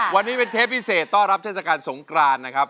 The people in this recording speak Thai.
วันนี้เป็นเทปพิเศษต้อนรับเทศกาลสงกรานนะครับ